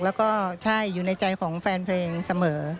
แล้วก็ใช่อยู่ในใจของแฟนเพลงเสมอ